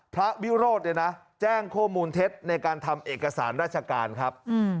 พระวิโรธแจ้งโฆมูลเท็จในการทำเอกสารราชการครับ